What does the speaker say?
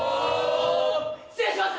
失礼します